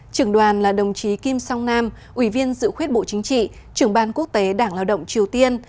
trưởng đoàn là đồng chí kim song nam ủy viên dự khuyết bộ chính trị trưởng ban quốc tế đảng lao động triều tiên